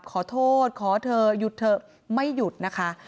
ขอโทษขอเธอหยุดเถอะไม่หยุดนะคะ